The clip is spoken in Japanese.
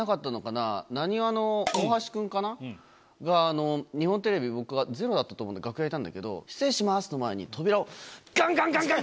なにわの大橋君かな？が日本テレビで僕『ｚｅｒｏ』だったと思う楽屋いたんだけど「失礼します」の前に扉をガンガンガンガンガン！